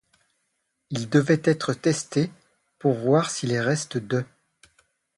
Ils devaient être testés pour voir si les restes d'E.